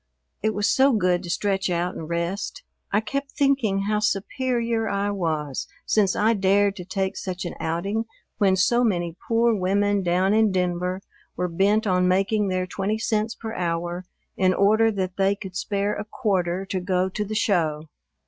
It was so good to stretch out and rest. I kept thinking how superior I was since I dared to take such an outing when so many poor women down in Denver were bent on making their twenty cents per hour in order that they could spare a quarter to go to the "show."